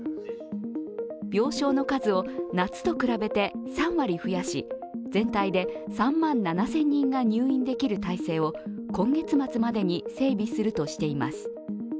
病床の数を夏と比べて３割増やし全体で３万７０００人が入院できる体制を今月末までに整備するとしています。